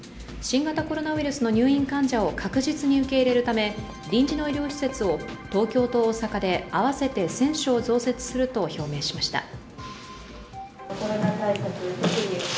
新型コロナウイルスの入院患者を確実に受け入れるため、臨時の医療施設を東京と大阪で合わせて１０００床増設すると表明しました。